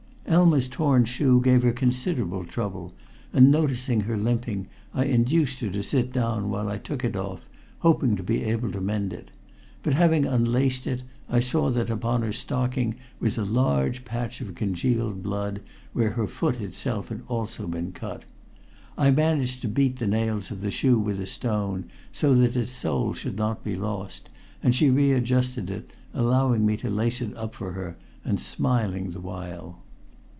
Elma's torn shoe gave her considerable trouble, and noticing her limping, I induced her to sit down while I took it off, hoping to be able to mend it, but, having unlaced it, I saw that upon her stocking was a large patch of congealed blood, where her foot itself had also been cut. I managed to beat the nails of the shoe with a stone, so that its sole should not be lost, and she readjusted it, allowing me to lace it up for her and smiling the while.